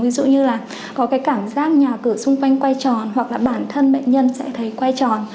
ví dụ như là có cái cảm giác nhà cửa xung quanh quay tròn hoặc là bản thân bệnh nhân sẽ thấy quay tròn